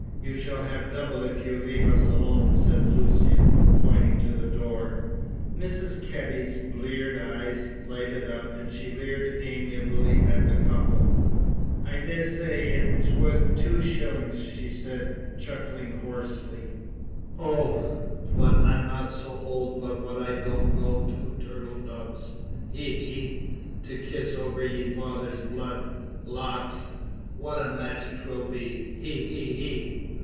"You shall have double if you leave us alone," said Lucian, pointing to the door. Mrs. Kebby's blear eyes lighted up, and she leered amiably at the couple. "I dessay it's worth two shillings," she said, chuckling hoarsely. "Oh, I'm not so old but what I don't know two turtle doves. He! he! To kiss over yer father's blood! Lawks! what a match 'twill be! He! he!"